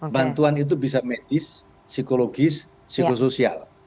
bantuan itu bisa medis psikologis psikosoial